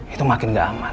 itu makin gak aman